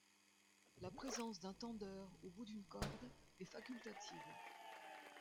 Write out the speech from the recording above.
La présence d'un tendeur au bout d'une corde est facultative.